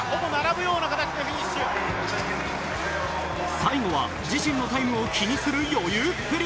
最後は自身のタイムを気にする余裕っぷり。